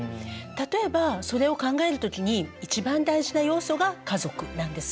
例えばそれを考える時に一番大事な要素が家族なんです。